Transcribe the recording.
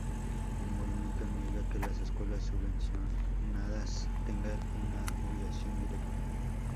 El movimiento niega que las escuelas subvencionadas tengan una afiliación directa.